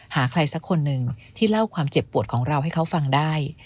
หาใครสักคนหนึ่งที่เล่าความเจ็บปวดของเราให้เขาฟังได้